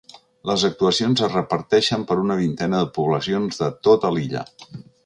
Les actuacions es reparteixen per una vintena de poblacions de tota l’illa.